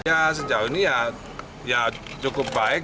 ya sejauh ini ya cukup baik